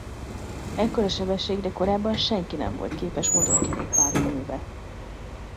Ekkora sebességre korábban senki nem volt képest motorkerékpáron ülve.